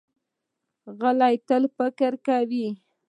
غلی، تل فکر کوي.